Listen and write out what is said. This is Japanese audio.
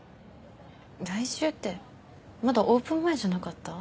来週ってまだオープン前じゃなかった？